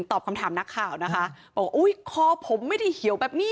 ตอบคำถามนักข่าวนะคะบอกอุ้ยคอผมไม่ได้เหี่ยวแบบนี้